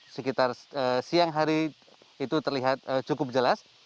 sekitar siang hari itu terlihat cukup jelas